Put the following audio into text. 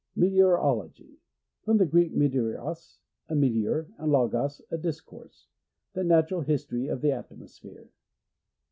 Meteorology. — From the Greek, ineteoros, a meteor, and logot, a discourse. The natural history of the atmosphere.